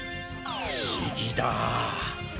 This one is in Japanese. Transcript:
不思議だ。